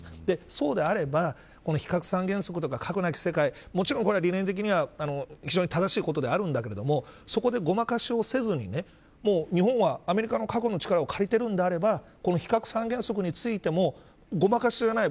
そうであれば、非核化三原則とか核なき世界もちろんこれは理念的には正しいことであるとは思うんだけれどもそこでごまかしをせずに日本はアメリカの核の力を借りているのであれば非核三原則についてもごまかしがない